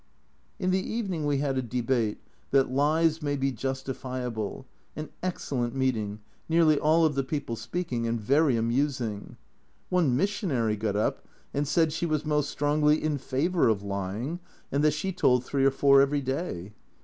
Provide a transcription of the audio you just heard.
In the evening we had a Debate, "That lies may be justifiable "; an excellent meeting, nearly all of the people speaking, and very amusing. One missionary got up and said she was most strongly in favour of lying and that she told three or four every day